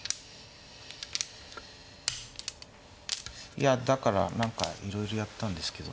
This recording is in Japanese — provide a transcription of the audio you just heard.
いやだから何かいろいろやったんですけど。